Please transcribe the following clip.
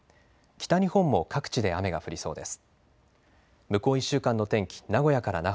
北日本も各地で雨が降りそうです。